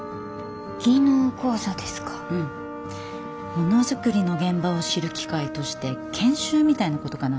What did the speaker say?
ものづくりの現場を知る機会として研修みたいなことかな。